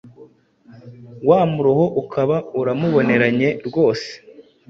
wa muruho ukaba uramuboneranye rwose